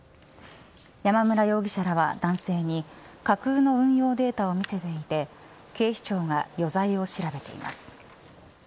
山村容疑者らは男性に架空の運用データを見せていて警視庁が余罪を調べています。